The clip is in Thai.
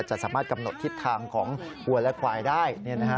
จะสามารถกำหนดทิศทางของวัวและควายได้